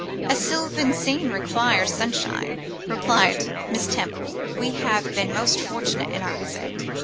'A sylvan scene requires sunshine,' replied Miss Temple. 'We have been most fortunate in our visit.